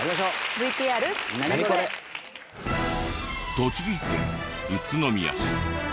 栃木県宇都宮市。